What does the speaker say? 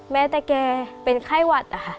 แม้แต่แกเป็นไข้หวัดอะค่ะ